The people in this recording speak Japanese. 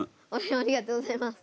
ありがとうございます。